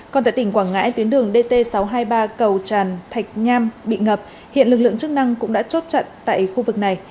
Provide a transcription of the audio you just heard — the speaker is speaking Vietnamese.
còn tại tỉnh quảng ngãi tuyến đường dt sáu trăm hai mươi ba cầu tràn thạch nham bị ngập hiện lực lượng chức năng cũng đã chốt chặn tại khu vực này